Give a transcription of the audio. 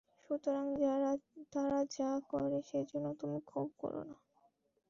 সুতরাং তারা যা করে সে জন্যে তুমি ক্ষোভ করো না।